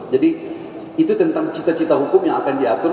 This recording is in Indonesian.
jadi itu tentang cita cita hukum yang akan diatur